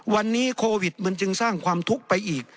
วันนี้โควิดมันจึงสร้างความทุกข์ไปอีก